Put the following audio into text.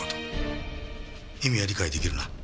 意味は理解出来るな？